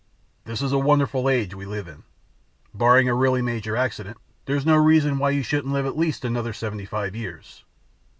This is a wonderful age we live in. Barring a really major accident, there's no reason why you shouldn't live at least another seventy five years.